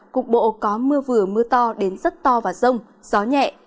cục bộ có mưa vừa mưa to đến rất to và rông gió nhẹ